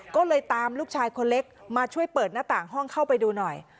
ก็เลยตามลูกชายคนเล็กมาช่วยเปิดหน้าต่างห้องเข้าไปดูหน่อย